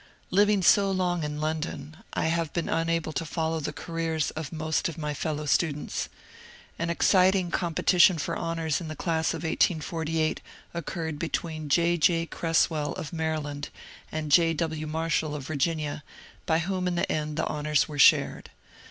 Living so long in London, I have been unable to follow the careers of most of my fellow students. An exciting compe tition for honours in the class of 1848 occurred between J. J. Cresswell of Maryland and J. W. Marshall of Virginia, by whom in the end the honours were shared.